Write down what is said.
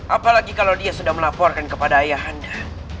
apalagi kalau dia sudah melaporkan kepada ayah anda